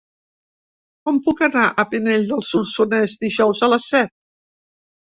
Com puc anar a Pinell de Solsonès dijous a les set?